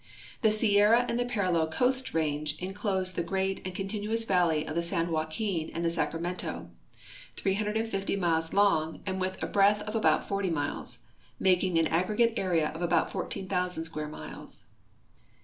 The Sierra and the parallel Coast range inclose the great and continuous valley of the San Joaquin and the Sacramento, 350 miles long and with a breadth of about 40 miles, making an aggregate area of about 14,000 square miles.